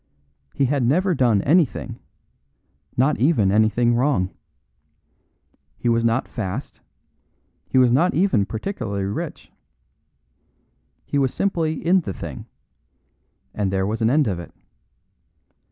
He had never done anything not even anything wrong. He was not fast; he was not even particularly rich. He was simply in the thing; and there was an end of it.